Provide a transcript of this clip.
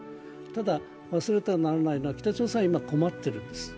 ただ、忘れてはならないのは北朝鮮は今、困ってるんです。